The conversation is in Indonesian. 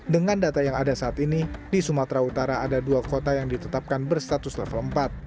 dengan data yang ada saat ini di sumatera utara ada dua kota yang ditetapkan berstatus level empat